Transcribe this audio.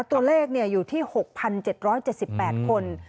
ตัวเลขเนี่ยอยู่ที่๖๗๗๘คน